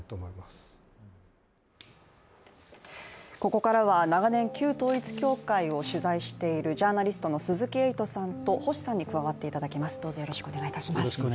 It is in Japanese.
ここからは長年、旧統一教会を取材しているジャーナリストの鈴木エイトさんと星さんに加わっていただきます。